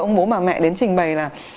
ông bố mà mẹ đến trình bày là